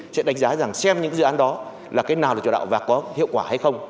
sẽ đánh giá rằng xem những dự án đó là cái nào là chủ đạo và có hiệu quả hay không